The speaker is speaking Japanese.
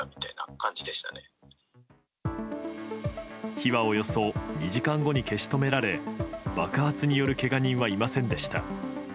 火は、およそ２時間後に消し止められ爆発によるけが人はいませんでした。